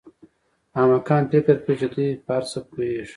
احمقان فکر کوي چې دوی په هر څه پوهېږي.